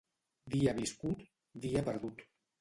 Dia viscut, dia perdut.